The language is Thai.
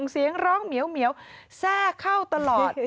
เสียงร้องเหมียวแทรกเข้าตลอด